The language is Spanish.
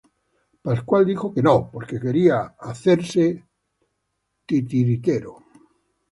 Pascual dijo que no, porque quería hacerse fraile.